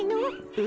え？